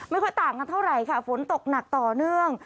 ไม่ค่อยต่างกันเท่าไหร่ค่ะฝนตกหนักต่อเนื่อง